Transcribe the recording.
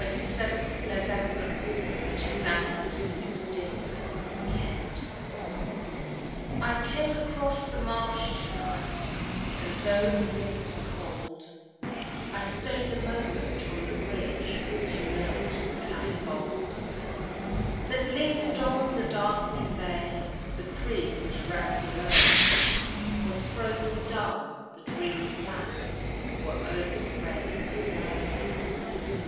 (The church clock strikes the noon.) A MEMORY I came across the marsh to night, And though the wind was cold, I stayed a moment on the bridge To note the paly gold That lingered on the darkening bay; The creek which ran below Was frozen dumb; the dreary flats Were overspread with snow.